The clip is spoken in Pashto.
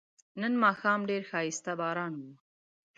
نن ماښام ډیر خایسته باران و